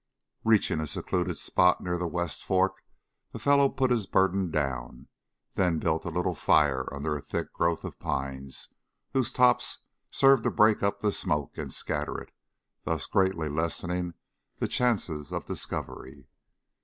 Reaching a secluded spot near the west fork the fellow put his burden down, then built a little fire under a thick growth of pines, whose tops served to break up the smoke and scatter it, thus greatly lessening the chances of discovery.